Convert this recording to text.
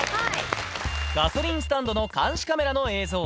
ガソリンスタンドの監視カメラの映像。